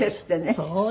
そう。